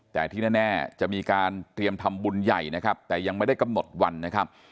แต่ที่แน่จะมีการเตรียมทำบุญใหญ่นะครับแต่ยังไม่ได้กำหนดวันนะครับ